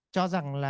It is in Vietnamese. cho rằng là